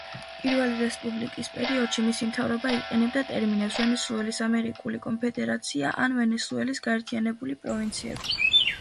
პირველი რესპუბლიკის პერიოდში მისი მთავრობა იყენებდა ტერმინებს „ვენესუელის ამერიკული კონფედერაცია“ ან „ვენესუელის გაერთიანებული პროვინციები“.